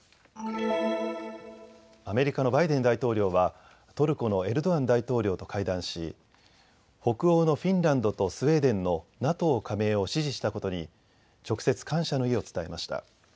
アメリカのバイデン大統領はトルコのエルドアン大統領と会談し、北欧のフィンランドとスウェーデンのＮＡＴＯ加盟を支持したことに直接、感謝の意を伝えました。